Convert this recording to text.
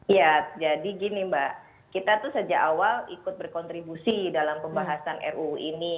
ya jadi gini mbak kita tuh sejak awal ikut berkontribusi dalam pembahasan ruu ini